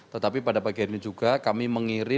tetapi pada pagi ini juga kami mengirim